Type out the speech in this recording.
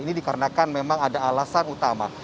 ini dikarenakan memang ada alasan utama